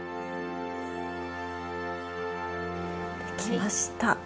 できました。